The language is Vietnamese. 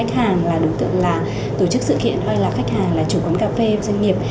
tức là hướng tới các khách hàng tổ chức sự kiện hay là khách hàng chủ cấm cà phê doanh nghiệp